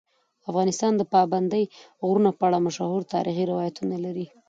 افغانستان د پابندي غرونو په اړه مشهور تاریخی روایتونه لري.